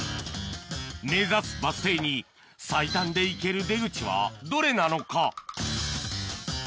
目指すバス停に最短で行ける出口はどれなのか？